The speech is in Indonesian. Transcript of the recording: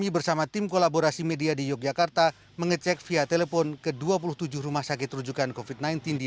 bersama tim kolaborasi media di yogyakarta mengecek via telepon ke dua puluh tujuh rumah sakit rujukan covid sembilan belas di